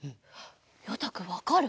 ようたくんわかる？